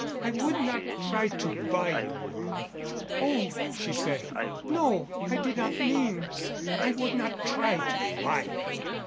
"I would not try to buy your love " "Oh," she said. "No, I did not mean " "I would not try to buy you.